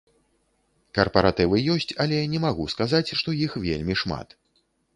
Карпаратывы ёсць, але не магу сказаць, што іх вельмі шмат.